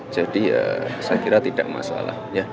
jadi ya saya kira tidak masalah